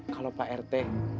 kalau pak rt